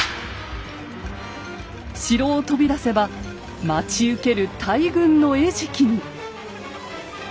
城を飛び出せば待ち受ける大軍の餌食に。